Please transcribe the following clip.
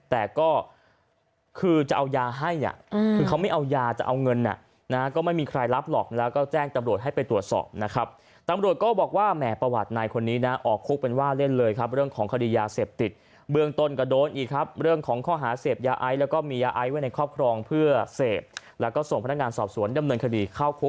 แต่ก็คือจะเอายาให้อ่ะคือเขาไม่เอายาจะเอาเงินก็ไม่มีใครรับหรอกแล้วก็แจ้งตำรวจให้ไปตรวจสอบนะครับตำรวจก็บอกว่าแหมประวัตินายคนนี้นะออกคุกเป็นว่าเล่นเลยครับเรื่องของคดียาเสพติดเบื้องต้นก็โดนอีกครับเรื่องของข้อหาเสพยาไอแล้วก็มียาไอไว้ในครอบครองเพื่อเสพแล้วก็ส่งพนักงานสอบสวนดำเนินคดีเข้าค